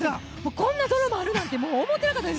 こんなドラマあるなんて思ってなかったです！